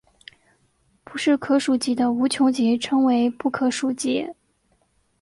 不是可数集的无穷集称为不可数集。